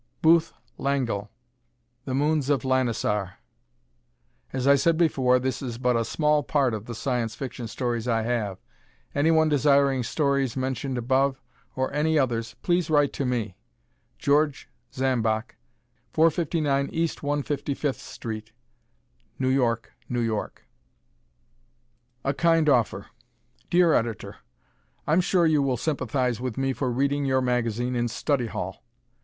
Booth Langell: "The Moons of Lanisar." As I said before, this is but a small part of the Science Fiction stories I have. Anyone desiring stories mentioned above, or any others, please write to me. George Zambock, 459 E. 155th St., New York, N. Y. A Kind Offer Dear Editor: I'm sure you will sympathize with me for reading your magazine in study hall.